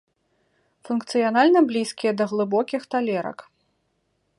Функцыянальна блізкія да глыбокіх талерак.